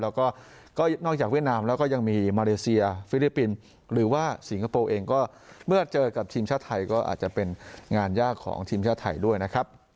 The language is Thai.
แล้วก็นอกจากเวียดนามแล้วก็ยังมีมาเลเซียฟิลิปปินส์หรือว่าสิงคโปร์เองก็เมื่อเจอกับทีมชาติไทยก็อาจจะเป็นงานยากของทีมชาติไทยด้วยนะครับ